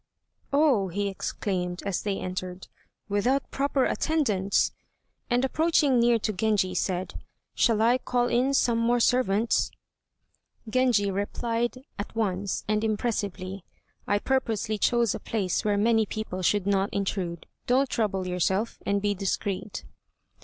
"Oh!" he exclaimed, as they entered. "Without proper attendants!" And approaching near to Genji said, "Shall I call in some more servants?" Genji replied at once and impressively, "I purposely chose a place where many people should not intrude. Don't trouble yourself, and be discreet."